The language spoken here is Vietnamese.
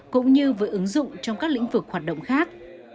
cũng như với ứng dụng trong các lĩnh vực hoạt động khác